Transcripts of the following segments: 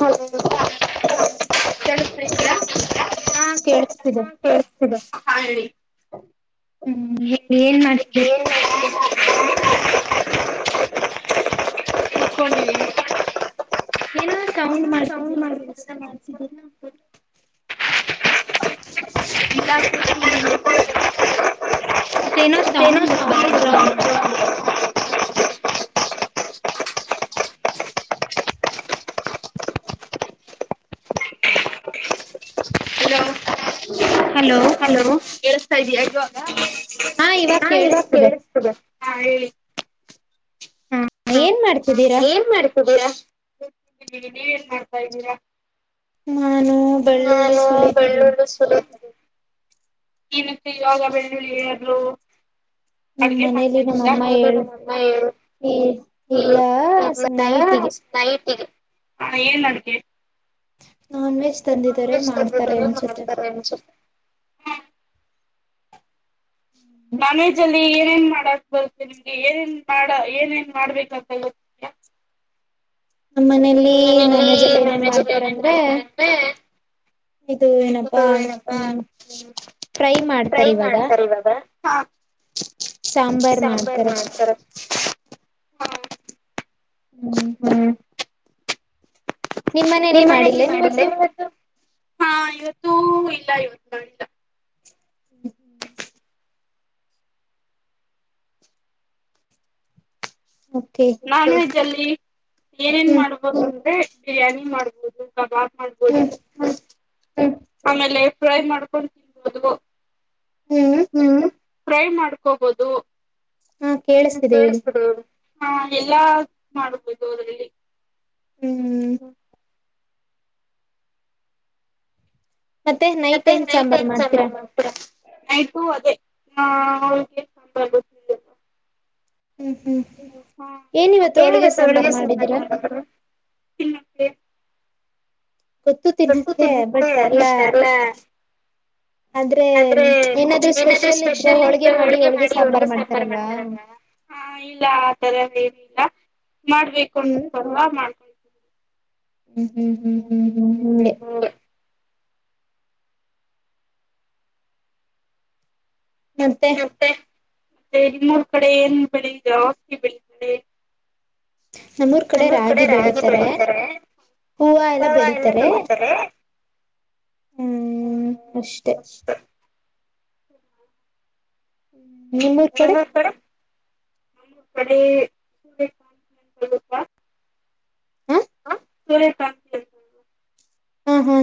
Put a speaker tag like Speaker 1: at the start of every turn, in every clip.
Speaker 1: ಹಲೋದ್ದೀರಾ ಕೇಳಿಸ್ತಾ ಇದಿಯಾ
Speaker 2: ಕೇಳಸ್ತಿದೆ
Speaker 1: ಹ ಹೇಳಿ
Speaker 2: ಹ್ಮ್ ಏನ್ ಮಾಡ್ತವಿ [inaudible]
Speaker 1: ಕುತ್ಕೊಂಡಿದಿವಿ
Speaker 2: ಏನ ಸೌಂಡ್ ಮಾಡ್ತಿದ್ದೀರಾ ಕೆಲ್ಸ ಮಾಡ್ತಿದ್ದೀರಾ
Speaker 1: ಇಲ್ಲ ಕುತ್ಕೊಂಡಿದ್ದೀನಿ
Speaker 2: ಮತ್ತೇನು ಸೌಂಡ್ [inaudible]
Speaker 1: ಹಲೋ ಹಲೋ ಕೆಲಸತ ಇದೀಯಾ ಯವಾಗ ಆ ಇವಾಗ್ ಕೇಳಿಸ್ತಿದೆ ಆ ಹೇಳಿ ಹ ಏನ್ ಮಾಡ್ತಿದ್ದೀರಾ ನಾನು ಬೆಳ್ಳೂರು ಸ್ಕೂಲ್ ಕ್ಕೆ ಯೋಗ ಬೆಳ್ಳಳ್ಳ ಎಲ ಅಡುಗೆ ಮಾಡ್ಕೊಂಡಿದ್ದೀರಾ ನಿಮ್ಮ ಹಣೆಬರ ಮುಂದೆ ಹೇಳಿ
Speaker 2: ಈ ಇಲ್ಲ ನೈಟಿಗೆ
Speaker 1: ಹಾ ಏನ್ ಅಡುಗೆ
Speaker 2: ನಾನ್ ವೆಜ್ ತಂದಿದರೆ ಮಾಡ್ತಾರೆ ಅನ್ಸುತ್ತೆ
Speaker 1: ನನ್ ವೇಜ್ ಅಲಿ ಲ್ಲಿ ಏನೇನ್ ಮಾಡಕ್ ಬರುತ್ತೆ ನಿಮ್ಗೆ ಏನೇನ್ ಮಾಡ ಏನೇನ್ ಮಾಡ್ಬೇಕಂತ ಗೊತ್ತಾ
Speaker 2: ನಮ್ಮ ಮನೇಲಿ ನಾನ್ ವೆಜ್ ಎಲ್ಲ ಏನೇನ್ ಮಾಡ್ತಾರ ಅಂದ್ರೆ ಇದು ಏನಪ್ಪಾ ಹ್ಮ ಟ್ರೈಮಾಡ್ತಾರೆ ಇವಾಗ
Speaker 1: ಹಾ
Speaker 2: ಸಾಂಬಾರ್ ಮಾಡ್ತಾರಷ್ಟೆ ಹ್ಮ್
Speaker 1: ನಿಮ್ಮನೆಯಲ್ಲಿ ಮಾಡಿದ್ದೆ ಇವತ್ತು ಹಾ ಇವತ್ತು ಇಲ್ಲ ಇವತ್ತು ಇಲ್ಲ
Speaker 2: ಹ್ಮ್ ಹ್ಮ್ ಓಕೆ
Speaker 1: ಲ್ಲಿ ಏನೇನ್ ಮಾಡ್ಬಹುದು ಅಂದ್ರೆ ಬಿರಿಯಾನಿ ಮಾಡ್ಬಹುದು ಕ ಬಾತ್ ಮಾಡ್ಬೋದು ಆಮೇಲೆ ಫ್ರೈ ಮಾಡ್ಕೊಂಡು ತಿನ್ಬೋದು ಹ್ಮ ಫ್ರೈ ಮಾಡ್ಕೊಬೋದು ಕಳ್ಸ್ಬರು ಹಾ ಎಲ್ಲಾ ಮಾಡಬೇಕೂ ಅದರಲ್ಲಿ ಹ. ಮತ್ತೆ ನೈಟ್ ಏನ್ ಸಾಂಬರ್ ಮಾಡ್ತೀರಾ ನೈಟು ಅದೇ. ಹಾ [unintelligible] ಹಾ ಹಾ ಏನಿರುತ್ತೆ ಹೋಳಿಗೆ ಸಾಂಬಾರ್ ಮಾಡೋದ್ರಲ್ಲಿ.
Speaker 2: ಗೊತ್ತು ತಿನ್ನಕ್ಕೆ ಬಟ್ ಎಲ್ಲ
Speaker 1: ಆದ್ರೆ ಏನಾದ್ರು ಸ್ಪೆಷಲ್ ಇದ್ರೆ ಹೋಳ್ಗೆ ಮಾಡಿ ಹೋಳ್ಗೆ ಸಾಂಬಾರ್ ಮಾಡ್ತಾರಲ್ವಾ. ಹಾ ಇಲ್ಲ ಆತರಾ ಮಾಡ್ಬೇಕು ಅನಸ್ತಲ್ವಾ ಮಾಡ್ಕೊಂಡ
Speaker 2: ಹ್ಮ್ ಹ್ಮ್ ಹ್ಮ್ ಹ್ಮ್ ಹ್ಮ್ ಹಿಂಗೆ.
Speaker 1: ಮತ್ತೆ ಮತ್ತೆ ನಿಮ್ಮೂರ್ ಕಡೆ ಏನ್ ಬೆಳ್ಯೋದು ಅಕ್ಕಿ ಬೆಳಿತದೇ
Speaker 2: ನಮ್ಮೂರ್ ಕಡೆ ರಾಗಿ ಬೆಳಿತಾರೆ. ಹೂವಾ ಎಲ್ಲಾ ಬೆಳಿತಾರೆ. ಹ್ಮ್ ಅಷ್ಟೇ. ನಿಮ್ಮೂರ್ ಕಡೆ.
Speaker 1: ನಮ್ಮೂರ್ ಕಡಿ [unintelligible] ಆ ಸೂರ್ಯಕಾಂತಿ ಹೂವು.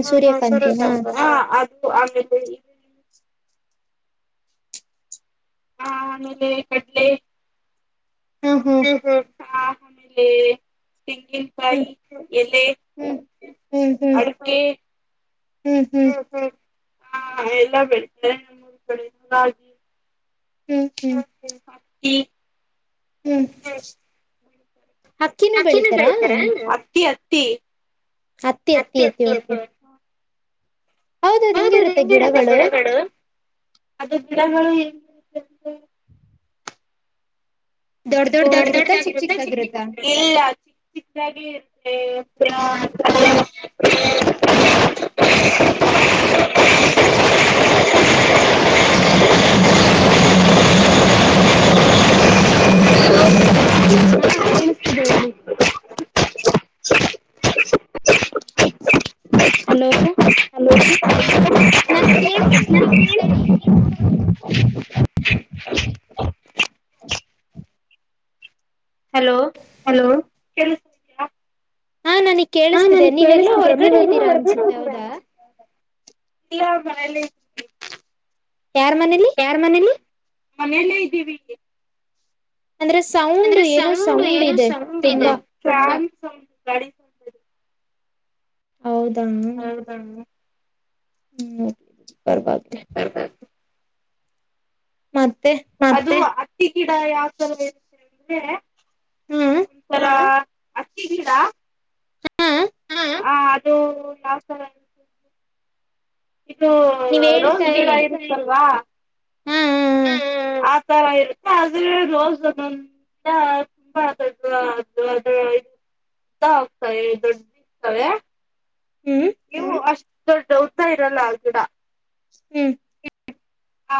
Speaker 1: ಹ ಹ ಸೂರ್ಯಕಾಂತಿನಾ ಅದು ಆಮೇಲೆ [unintelligible] ಹಾ ಆಮೇಲೆ ಕಡ್ಲೆ ಹ್ಮ ಹ್ಮ ಆ ಆಮೇಲೆ ತೆಂಗಿನಕಾಯಿ ಎಲೆ
Speaker 2: ಹ್ಮ್ ಹ್ಮ್ ಹ್ಮ್ ಹ್ಮ್
Speaker 1: ಹಾ ಎಲ್ಲ ಬೆಳತಾರೆ ನಮ್ಮೂರ್ ಕಡೆ [unintelligible] ಹತ್ತಿ [unintelligible] [unintelligible] ಅಕ್ಕಿನು ಬೆಳೀತಾರ ಏನ್ರಿ ಅತ್ತಿ ಅತ್ತಿ
Speaker 2: ಹತ್ತಿ ಹತ್ತಿ ಹತ್ತಿ ಓಕೆ.
Speaker 1: ಹೌದದು ಹೆಂಗಿರುತ್ತೆ ಗಿಡಗಳು ಅದು ಗಿಡಗಳು ದೊಡ್ಡ ದೊಡ್ಡದಾಗಿರುತ್ತೆ ಚಿಕ್ ಚಿಕ್ಕದೀರುತ್ತೆ ಇಲ್ಲಾ ಚಿಕ್ಕ ಚಿಕ್ಕದಾಗೆ ಇರುತ್ತೆ ಒಂಥರಾ
Speaker 2: [unintelligible] [unintelligible] [unintelligible] ಹಲೋ ಹಲೋ [unintelligible]
Speaker 1: [unintelligible]
Speaker 2: ಹಲೋ.
Speaker 1: ಹಲೋ ಕೆಳಸ್ತಿದೆಯಾ. ಹಾ ನನಗ್ ಕೇಳಿಸ್ತಿದೆ ನೀವೆಲ್ಲ ಹೊರಗಡೆ ಇದೀರಾ ಅನ್ಸುತ್ತೆ. ಇಲ್ಲ ಮನೇಲಿ
Speaker 2: ಯಾರ್ ಮನೇಲಿ.
Speaker 1: ಮನೆಲ್ಲೇ ಇದ್ದೀವಿ. ಅಂದ್ರೆ ಸೌಂಡೂ ಏನೋ ಸೌಂಡ್ ಇದೆ ಫ್ಯಾನ್ ಸೌಂಡ್ ಗಾಳಿ ಸೌಂಡ್. [unintelligible]
Speaker 2: ಹ್ಮ್ ಬರ್ಬ [unintelligible]
Speaker 1: ಹ ಮತ್ತೆ ಅದು ಹತ್ತಿ ಗಿಡ ಯಾವ ತರಾ ಬೆಳೆಯುತ್ತೆ ಅಂದ್ರೆ ಒಂಥರಾ ಹತ್ತಿ ಗಿಡಾ ಹಂ ಅದು ಯಾವ್ ತರ ಇ ಇದು ರೋಸ್ ಗಿಡಾ ಇರುತ್ ಅಲ್ವಾ
Speaker 2: ಹ್ಮ್ ಹ್ಮ್ ಹ್ಮ್
Speaker 1: ಆತರಾ ಇರುತ್ತೆ ಆದ್ರೆ ರೋಸ್ ದೊಡ್ಡ [unintelligible] ಇಲ್ಲ ತುಂಬಾ ದೊಡ್ಡು ಅದು ಅದು ಅ ಇಲ್ಲಾ ಅವ ಸೈಜ್ ದೊಡ್ಡದ್ ಇರ್ತಾವೆ. ಇವು ಅಷ್ಟ ದೊಡ್ಡ ಉದ್ದ ಇರಲ್ಲ ಆ ಗಿಡ
Speaker 2: ಹ್ಮ್
Speaker 1: ಹಾ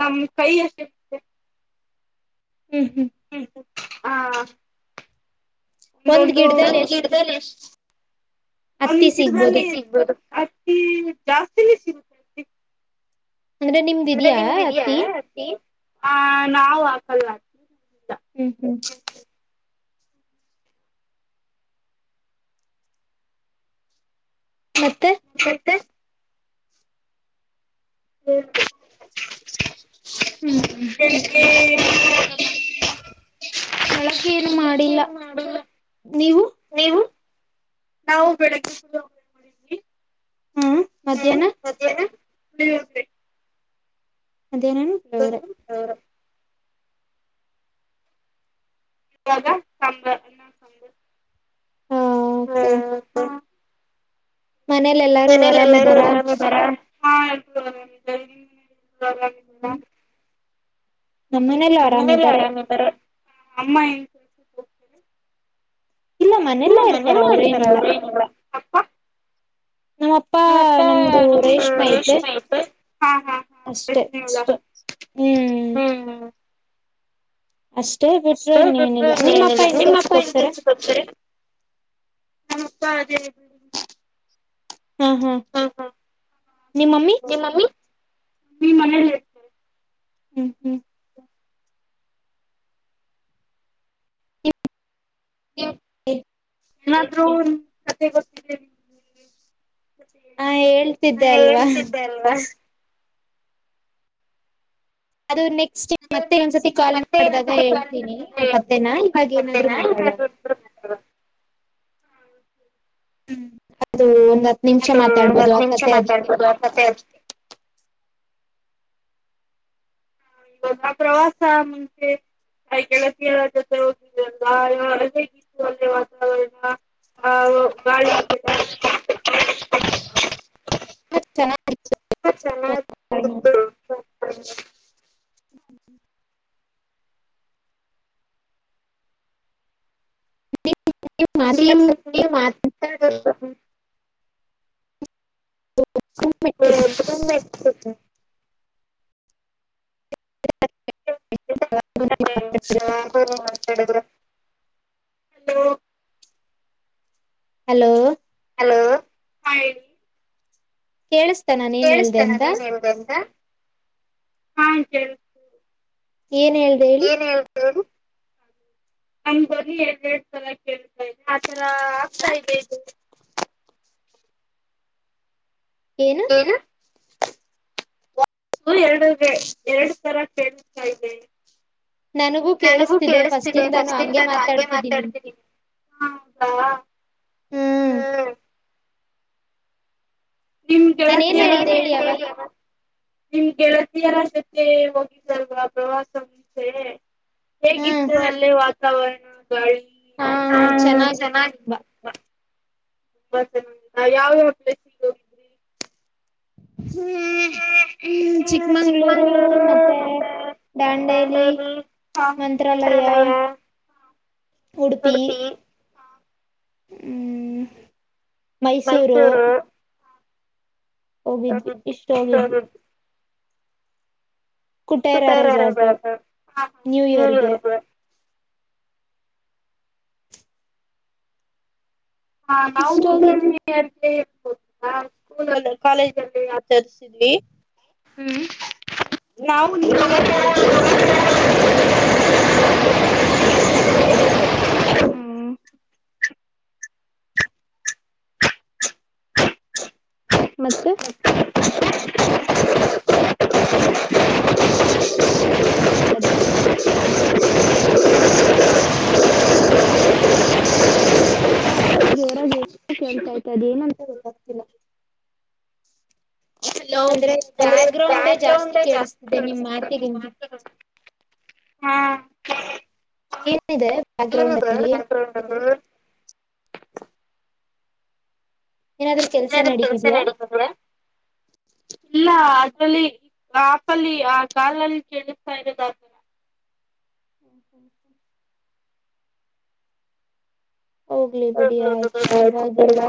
Speaker 1: ನಮ್ಮ್ ಕೈ ಅಷ್ಟು ಇರುತ್ತೆ ಹ್ಮ್ ಹ್ಮ್ ಹಾ [unintelligible] ಒಂದು ಗಿಡದಲ್ಲಿ ಒಂದು ಗಿಡದಲ್ಲಿ ಹತ್ತಿ ಜಾಸ್ತಿನೆ [unintelligible] ಅದೇ ನಿಮ್ದು ಇದ್ದೀಯ ಹತ್ತಿ ನಾವು ಹಾಕಲ್ಲ ಹತ್ತಿ
Speaker 2: ಹ್ಮ್ ಹ್ಮ್
Speaker 1: [unintelligible] [unintelligible] ಬೆಳಿಗ್ಗೆ ಏನ್ ಊಟ ಮಾಡಿದ್ರಿ ಬೆಳಿಗ್ಗೆ ಏನು ಮಾಡಿಲ್ಲ ನೀವು ನಾವು ಬೆಳಗ್ಗೆ [unintelligible] ಹ್ಮ್ [unintelligible]
Speaker 2: ಮಧ್ಯಾಹ್ನನು ಪುಳಿಯೋಗರೆ
Speaker 1: ಇವಾಗ ಸಾಂಬಾರ್ ಅನ್ನ ಸಾಂಬಾರ್
Speaker 2: ಹಾ ಓಕೆ
Speaker 1: ಮನೇಲೆ ಎಲ್ಲಾರೂ ಅರಾಮಿದಾರ ಹಾ [unintelligible] ಮನೇಲೆಲ್ಲ ಅರಾಮಿದಾರೆ ಅಮ್ಮ
Speaker 2: ಇಲ್ಲ ಮನೆಯಲ್ಲೇ ಇರ್ತಾರ ಅವ್ರೇ ಏನಿಲ್ಲ
Speaker 1: ಮತ್ತೆ ನಮ್ದು ರೇಷ್ಮೆ ಅಯ್ತೆ ಹಾ ಹಾ [unintelligible]
Speaker 2: ಹ್ಮ್
Speaker 1: ಅಷ್ಟ ಆಗ್ಬಿಟ್ರ ಏನಿಲ್ಲಾ ನಿಮ್ಮ ಅಪ್ಪ ಏನ್ ಕೆಲ್ಸಕ್ಕೆ ಹೋಗ್ತಾರೆ ನಮ್ಮ ಅಪ್ಪ ಅದೇ
Speaker 2: ಹಾ ಹಾ [inaudible] ನಿಮ್ಮ್ ಮಮ್ಮಿ
Speaker 1: ನೀಮ್ಮ್ ಮನೇಲಿ
Speaker 2: ಹ್ಮ್ ಹ್ಮ್
Speaker 1: [unintelligible] ಏನಾದ್ರೂ ಕಥೆ ಗೊತ್ತಿದಿಯಾ ಹಾ ಹೇಳ್ತಿದೇ ಅಲ್ವಾ
Speaker 2: [unintelligible] ಮತ್ತೆ ಒಂದುಸತಿ ಕಾಲ್ ಮಾಡಿದಾಗ ಹೇಳ್ತೀನಿ ಆ ಕಥೇನ ಇವಾಗ ಏನಾದ್ರು ಮಾತಾಡನಾ
Speaker 1: [unintelligible]
Speaker 2: ಹ್ಮ್ ಅದು ಒಂದು ಹತ್ತು ನಿಮಿಷ ಮಾತಾಡ್ಬೋದು ಆ ಕಥೆ ಅದಕ್ಕೆ
Speaker 1: [unintelligible] ಗೆಳತಿಯರ ಜೊತೆ ಹೋಗಿದಲ್ಲ ಹೊರದಗಿತ್ತು [unintelligible] ವಾತಾವರಣ [unintelligible]
Speaker 2: [unintelligible]
Speaker 1: ಮತ್ತ್ ಚೆನ್ನಾಗಿತ್ತು [unintelligible]
Speaker 2: [unintelligible]
Speaker 1: [unintelligible] [unintelligible] [unintelligible] [unintelligible]
Speaker 2: ಹಲೋ
Speaker 1: ಹಲೋ ಹಾ ಹೇಳಿ
Speaker 2: ಕೇಳಿ
Speaker 1: ಕೇಳಿಸ್ತಾ ನಾನ ಏನ್ ಹೇಳಿದೆ ಅಂತ [inaudible] ಹಾ ಕೇಳಿಸ್ ಏನ್ ಹಳ್ತರು
Speaker 2: [inaudible]
Speaker 1: ನಮ್ ಬನ್ನಿ ಎ ಎಡ್ ತರ ಕೇಳ್ತಾದೆ ಆತರ ಆಗ್ತಾ ಇದೆ ಇದು ಏನು ಎರಡು ಎರಡು ತರ ಕೇಳತ ಇದೆ ನನಗೂ ಕೇಳಿಸ್ತಿದೆ ಫಸ್ಟ್ ಇಂದಾನು ಹಾಗಗೆ ಮಾತಾಡ್ತೀನಿ ಹಾ ಹ ನಿಮ್ಗೆ ಏನ್ ಹೇಳ ಹೇಳಿಲ್ಲ ನಿಮ್ಗೆಳತಿಯಾರ ಜೊತೆ ಹೋಗಿಸಲ್ವಾ ಪ್ರವಾಸಚೆ ಹೇಗಿತ್ತು ಅಲ್ಲೇ ವಾತಾವರಣ ಗಾಳಿ ಹ ಚೆನ್ನಾಗಿ ತುಂಬಾ ಚೆನ್ನಾಗಿದೆ ನಾ ಯಾವ್ಯಾವ ಪ್ಲಸ್ಗೆ ಹೋಗಿದ್ರಿ
Speaker 2: ಹ್ಮ್ ಹ್ಮ ಚಿಕ್ಕಮಂಗ್ಗಳೂರು ಮತ್ತೆ ದಾಂಡೇಲಿ ಮಂತ್ರಾಲಯ ಉಡುಪಿ ಹ್ಮ್ ಮೈಸೂರು ಹೋಗಿದ್ವಿ ಇಷ್ಟ ಹೋಗಿದ್ವಿ ಕುಟೇರಾ ರೆಸಾರ್ಟು ನ್ಯೂಯರ್ಗೆ
Speaker 1: ಹಾ ನಾವು ಮುಂದ ಅತ್ತೆ ಹಾ ಸ್ಕೂಲ್ ಕಾಲೇಜಲ್ಲಿ ಆಚರಿಸಿದ್ವಿ
Speaker 2: ಹ್ಮ್
Speaker 1: ನಾವು ನೀ ಹೇಳ
Speaker 2: ಹ್ಮ್ ಮತ್ತೆ [inaudible] ಕೇಳ್ತಾ ಇ್ತ ಅದ ಏನಂತ ಗೊತ್ತಾಗ್ತಿಲ್ಲ ಅಂದ್ರೆ ಬ್ಯಾಕ್ ಗ್ರೌಂಡ ಜಾಸ್ತಿ ಕೇಳಡಿಸಸ್ತಿದೆ ನಿಮ್ ಮಾತಿಗಿಂತ ಏನ ಇದೆ ಬ್ಯಾಕ್ ಗ್ರೌಂಡ್ ಅಲ್ಲಿ ಏನ್ ಏನಾದ್ರೂ ಕೆಲ್ಸ ನಡೀತಿದ್ಯಾ
Speaker 1: ಇಲ್ಲ ಅದ್ರಲ್ಲಿ ಆಪಲ್ಲಿ ಆ ಕಾಲಲ್ಲಿ ಕೆಳಿಸ್ತಾ ಇರೋದತರ
Speaker 2: ಹ ಹ ಹೋಗ್ಲಿ ಬಿಡಿ ಆಯ್ತು ಪರವಾಗಿಲ್ಲ